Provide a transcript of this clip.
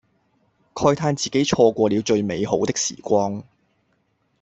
慨嘆自己錯過了最美好的時光